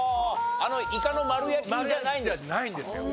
あのイカの丸焼きじゃないんですね。